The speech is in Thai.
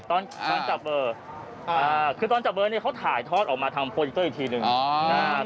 ตอนจับเบอร์คือตอนจับเบอร์นี่เขาถ่ายทอดออกมาทำโพสเกอร์อีกทีหนึ่ง